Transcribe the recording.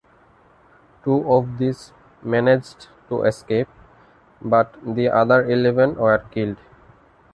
Two of these managed to escape, but the other eleven were killed.